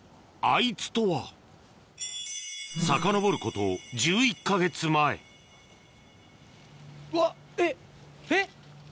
あいつとはさかのぼること１１か月前えっえっ？